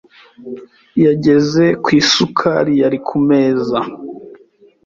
Yageze ku isukari yari ku meza.